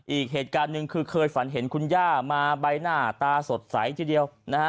อีกเหตุการณ์หนึ่งคือเคยฝันเห็นคุณย่ามาใบหน้าตาสดใสทีเดียวนะฮะ